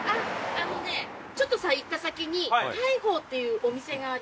あのねちょっと行った先にタイホウっていうお店があります。